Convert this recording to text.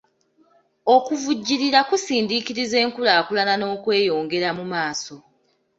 Okuvujjirira kusindiikiriza enkulaakulana n'okweyongera mu maaso.